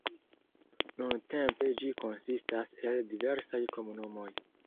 Nuntempe ĝi konsistas el diversaj komunumoj.